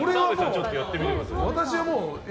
ちょっとやってみてください。